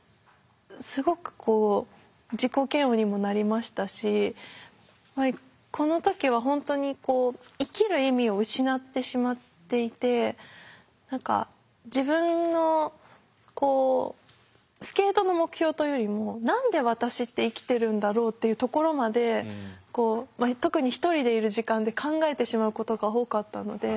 すごくこう自己嫌悪にもなりましたしこの時は本当にこう生きる意味を失ってしまっていて何か自分のスケートの目標というよりも何で私って生きてるんだろうっていうところまでまあ特に１人でいる時間で考えてしまうことが多かったので。